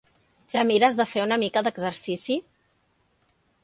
Ja mires de fer una mica d'exercici?